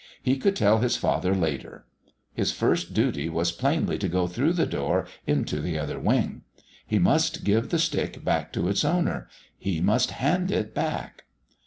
He could tell his father later. His first duty was plainly to go through the door into the Other Wing. He must give the stick back to its owner. He must hand it back.